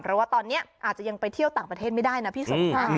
เพราะว่าตอนนี้อาจจะยังไปเที่ยวต่างประเทศไม่ได้นะพี่สมพร